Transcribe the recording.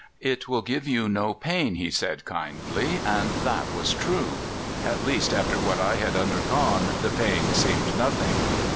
"'It will give you no pain,' he said kindly; and that was true at least, after what I had undergone, the pain seemed nothing.